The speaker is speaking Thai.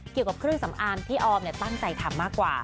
เกี่ยวกับเครื่องสำอางที่ออมตั้งใจทำมากกว่า